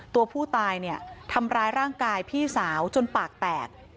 ตัวผู้ตายเนี่ยทำร้ายร่างกายพี่สาวจนปากแตก